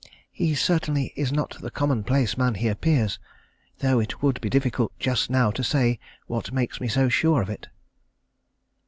He certainly is not the common place man he appears, though it would be difficult just now to say what makes me so sure of it.